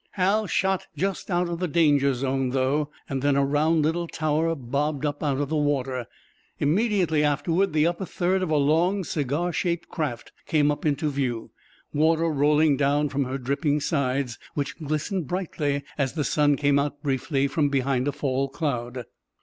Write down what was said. Hal shot just out of the danger zone, though. Then a round little tower bobbed up out of the water. Immediately afterward the upper third of a long, cigar shaped craft came up into view, water rolling from her dripping sides, which glistened brightly as the sun came out briefly from behind a fall cloud.